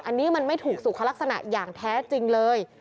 อันนี้มันไม่ถูกสุขลักษณะอย่างแท้จริงเลย